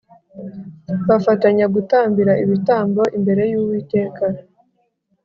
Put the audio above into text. bafatanya gutambira ibitambo imbere y’Uwiteka